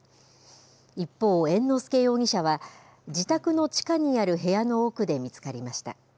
一方、猿之助容疑者は、自宅の地下にある部屋の奥で見つかりました。